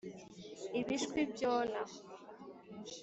ibishwi byona